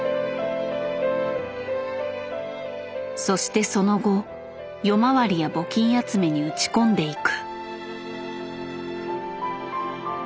そしてその後夜回りや募金集めに打ち込んでいく。